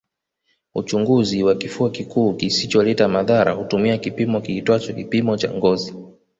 Uchunguzi wa kifua kikuu kisicholeta madhara hutumia kipimo kiitwacho kipimo cha ngozi